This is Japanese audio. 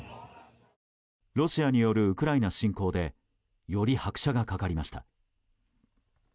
ロシアによるウクライナ侵攻でより拍車がかかりました。